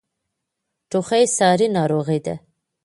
ټوخی ساری ناروغۍ ده.